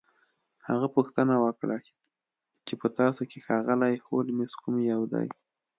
هغه پوښتنه وکړه چې په تاسو کې ښاغلی هولمز کوم یو دی